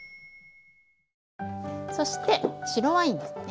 そして白ワインですよね。